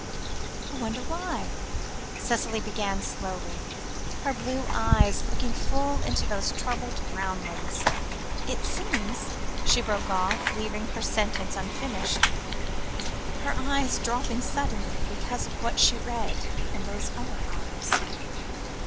"I wonder why?" Cicely began slowly, her blue eyes looking full into those troubled brown ones. "It seems" she broke off, leaving her sentence unfinished, her eyes dropping suddenly, because of what she read in those other eyes.